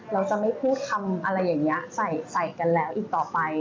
เราจะไม่พูดคำอะไรอย่างนี้ใส่กันแล้วอีกต่อไป